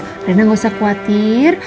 irena gak usah khawatir